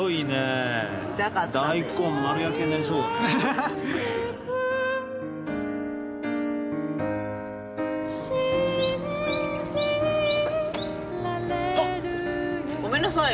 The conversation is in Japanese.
はっ！ごめんなさい。